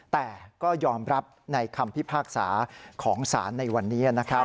แต่ก็ยอมรับในคำพิพากษาของศาลในวันนี้นะครับ